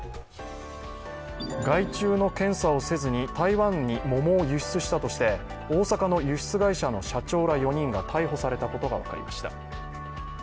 害虫の検査をせずに台湾に桃を輸出したとして大阪の輸出会社の社長ら４人が逮捕されたことが分かりました。